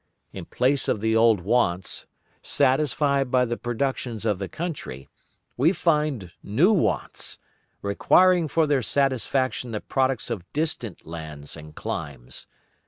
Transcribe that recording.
In place of the old wants, satisfied by the productions of the country, we find new wants, requiring for their satisfaction the products of distant lands and climes.